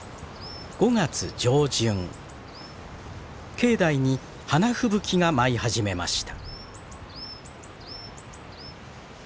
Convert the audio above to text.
境内に花吹雪が舞い始めました。